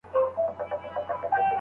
د شاګرد او استاد مخالفت طبیعي چاره ده.